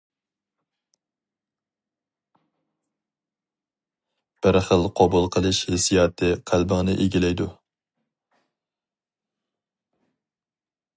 بىر خىل قوبۇل قىلىش ھېسسىياتى قەلبىڭنى ئىگىلەيدۇ.